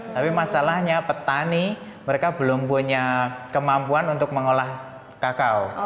tapi masalahnya petani mereka belum punya kemampuan untuk mengolah kakao